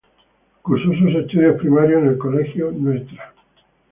Curso sus estudios primarios en el Colegio Ntra.